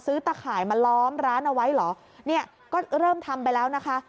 ตะข่ายมาล้อมร้านเอาไว้เหรอเนี่ยก็เริ่มทำไปแล้วนะคะ